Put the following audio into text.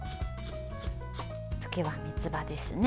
次は、みつばですね。